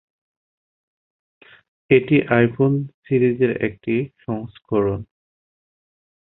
এটি আইফোন সিরিজের একটি সংস্করণ।